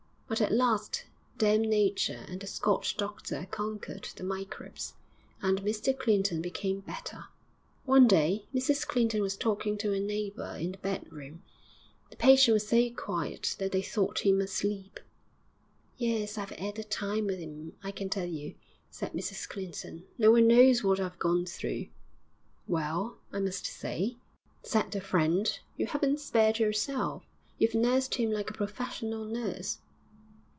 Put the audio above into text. But at last Dame Nature and the Scotch doctor conquered the microbes, and Mr Clinton became better. VII One day Mrs Clinton was talking to a neighbour in the bedroom, the patient was so quiet that they thought him asleep. 'Yes, I've 'ad a time with 'im, I can tell you,' said Mrs Clinton. 'No one knows what I've gone through.' 'Well, I must say,' said the friend, 'you haven't spared yourself; you've nursed him like a professional nurse.'